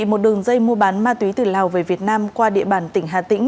một đường dây mua bán ma túy từ lào về việt nam qua địa bàn tỉnh hà tĩnh